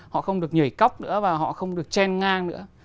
họ không được nhảy cóc nữa và họ không được chen ngang nữa